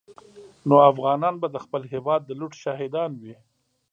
نو افغانان به د خپل هېواد د لوټ شاهدان وي.